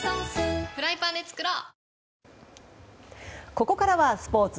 ここからはスポーツ。